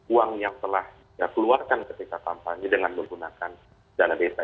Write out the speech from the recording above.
uang yang telah dia keluarkan ketika kampanye dengan menggunakan dana desa